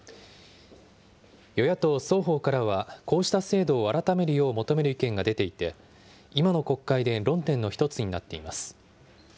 与野党双方からは、こうした制度を改めるよう求める意見が出ていて、今の国会で論点の１つになっています。